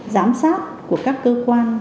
giám sát của các cơ quan